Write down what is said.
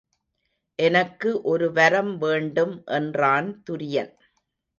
எனக்கு ஒரு வரம் வேண்டும் என்றான் துரியன்.